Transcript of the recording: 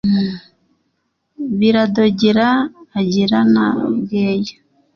Biradogera agera na Bweya.